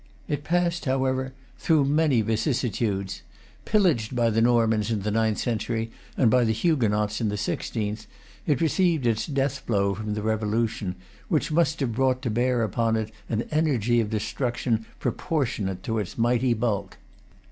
It passed, however, through many vicissitudes. Pillaged by the Normans in the ninth century and by the Huguenots in the sixteenth, it received its death blow from the Revolution, which must have brought to bear upon it an energy of destruction proportionate to its mighty bulk.